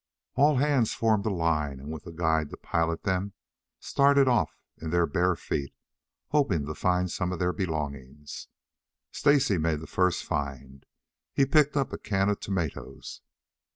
All hands formed in line, and with the guide to pilot them, started off in their bare feet, hoping to find some of their belongings. Stacy made the first find. He picked up a can of tomatoes.